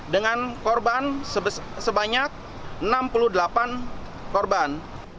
dengan korban sebanyak enam puluh delapan korban